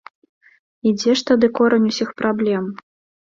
І дзе ж тады корань усіх праблем?